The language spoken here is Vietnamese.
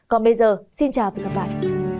còn bây giờ xin chào và hẹn gặp lại